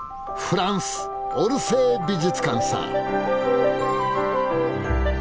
フランスオルセー美術館さ！